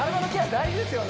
大事ですよね